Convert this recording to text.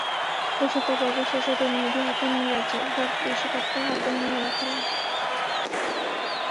প্রশ্নোত্তর পর্ব শেষ হতেই মেহেদী হাসান মিরাজ একবার বিশ্বকাপটা হাতে নিয়েও দেখলেন।